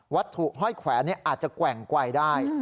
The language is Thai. วัตถุห้อยแขวนอาจจะแกว่งไกวได้